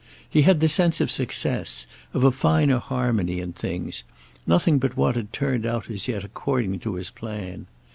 He had the sense of success, of a finer harmony in things; nothing but what had turned out as yet according to his plan.